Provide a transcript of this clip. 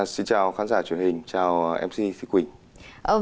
xin chào khán giả truyền hình chào mc quỳnh